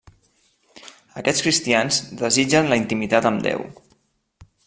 Aquests cristians desitgen la intimitat amb Déu.